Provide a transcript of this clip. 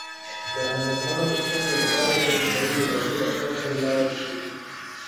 د میرمنو د ستونزو لپاره د نسایي ولادي ډاکټر ته لاړ شئ